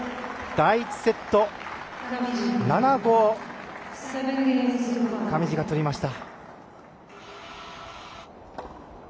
第１セット７‐５上地が取りました。